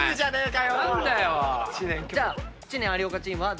じゃあ知念・有岡チームは。